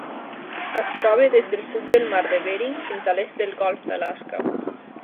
Es troba des del sud del mar de Bering fins a l'est del Golf d'Alaska.